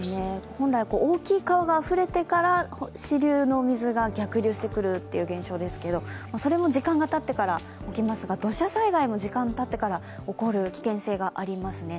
本来、大きい川があふれてから支流の水が逆流してくるという現象ですけどそれも時間がたってから起きますが、土砂災害も時間がたってから起こる危険性がありますね。